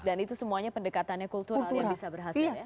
dan itu semuanya pendekatannya kultural yang bisa berhasil ya